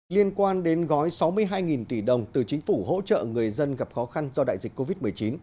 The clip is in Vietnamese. liên quan đến gói sáu mươi hai tỷ đồng từ chính phủ hỗ trợ người dân gặp khó khăn do đại dịch covid một mươi chín